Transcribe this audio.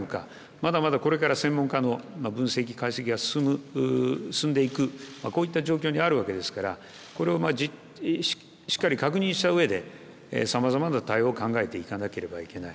まだまだこれから専門家の分析、解析が進んでいくそういう状況にあるわけですからこれをしっかりと確認したうえでさまざまな対応を考えていかなければいけない。